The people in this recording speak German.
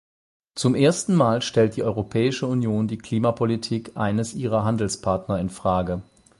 Zum ersten Mal stellt die Europäische Union die Klimapolitik eines ihrer Handelspartner in Frage.